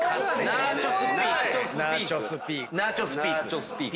ナーチョスピークです。